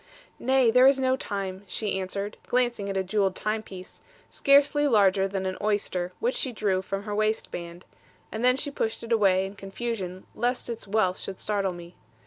'Nay, there is no time,' she answered, glancing at a jewelled timepiece, scarcely larger than an oyster, which she drew from her waist band; and then she pushed it away, in confusion, lest its wealth should startle me.